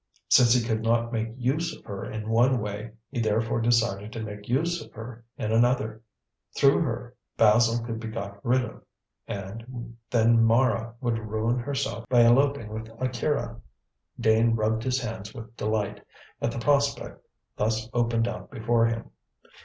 Since he could not make use of her in one way, he therefore decided to make use of her in another. Through her, Basil could be got rid of, and then Mara would ruin herself by eloping with Akira. Dane rubbed his hands with delight, at the prospect thus opened out before him.